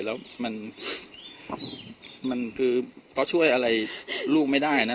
แล้วมันคือก็ช่วยอะไรลูกไม่ได้นะ